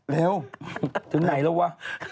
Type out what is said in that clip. เร็วถึงไหนแล้ววะ